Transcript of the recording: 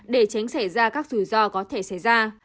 để tránh xảy ra các rủi ro có thể xảy ra